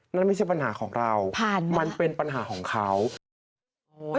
นั่นไม่ใช่ปัญหาของเรามันเป็นปัญหาของเขาพันนะ